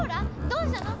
どうしたの？